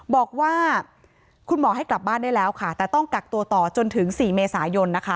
บอกว่าคุณหมอให้กลับบ้านได้แล้วค่ะแต่ต้องกักตัวต่อจนถึง๔เมษายนนะคะ